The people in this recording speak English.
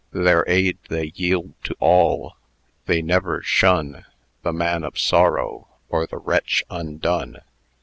Their aid they yield to all; they never shun The man of sorrow, or the wretch undone.